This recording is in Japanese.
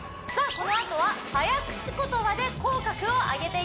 このあとは早口言葉で口角を上げていきますよ